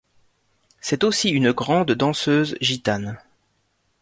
C'était aussi une grande danseuse gitane.